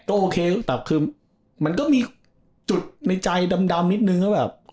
ก็โอเคแต่มันก็มีจุดในใจดำนิดนึง